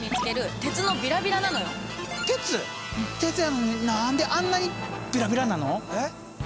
鉄やのに何であんなにビラビラなの？